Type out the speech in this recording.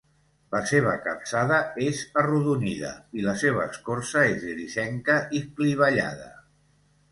La seva capçada és arrodonida i la seva escorça és grisenca i clivellada.